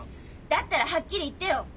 だったらはっきり言ってよ！